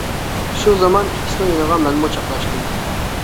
شۇ زامان ئىككىسىنىڭ يېنىغا مەنمۇ چاپلاشتىم.